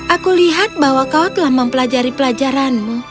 aku lihat bahwa kau telah mempelajari pelajaranmu